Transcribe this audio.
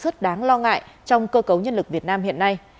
nó là một lỗ hổng đáng lo ngại trong cơ cấu nhân lực việt nam hiện nay